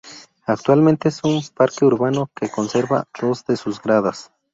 Actualmente es un parque urbano que conserva dos de sus gradas.